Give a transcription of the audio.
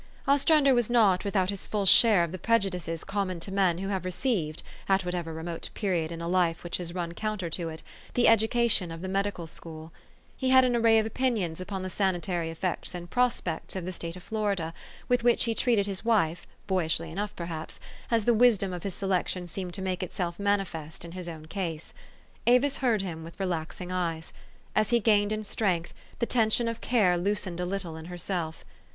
Ostrander was not without his full share of the prejudices common to men who have received, at whatever remote period in a life which has run counter to it, the education of the medical school. He had an array of opinions upon the sanitary effects and prospects of the State of Florida, with which he treated his wife, boyishly enough perhaps, as the wisdom of his selection seemed to make itself mani fest in his own case. Avis heard him with relaxing eyes. As he gained in strength, the tension of care loosened a little in herself.